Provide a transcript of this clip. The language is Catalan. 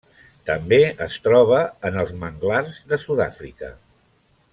També es troba en els manglars de Sud-àfrica.